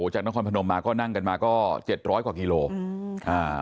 จากนครพนมมาก็นั่งกันมาก็๗๐๐กว่ากิโลกรัม